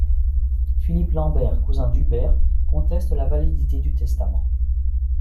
Philippe Lambert, cousin d'Hubert conteste la validité du testament.